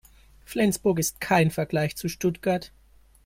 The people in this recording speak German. Flensburg ist kein Vergleich zu Stuttgart